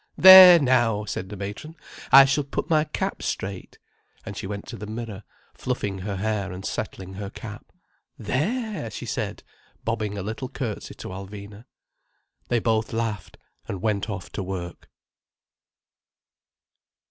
"There now!" said the matron. "I shall put my cap straight." And she went to the mirror, fluffing her hair and settling her cap. "There!" she said, bobbing a little curtsey to Alvina. They both laughed, and went off to work.